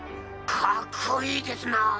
かっこいいですなぁ。